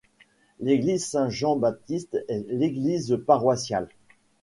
L'église Saint-Jean-Baptiste est l'église paroissiale.